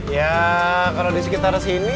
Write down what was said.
ya kalau di sekitar sini